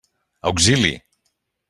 Auxili!